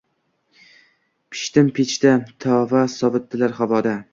Pishdim pechda, tovada, sovitdilar havoda